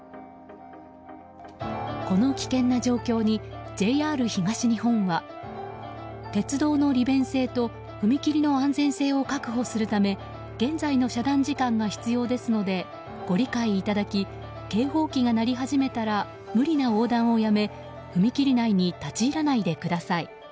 この危険な状況にＪＲ東日本は鉄道の利便性と踏切の安全性を確保するため現在の遮断時間が必要ですのでご理解いただき警報機が鳴り始めたら無理な横断をやめ踏切内に立ち入らないでください。